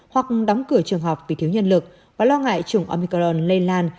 hoặc đóng cửa trường học vì thiếu nhân lực và lo ngại chủng amicron lây lan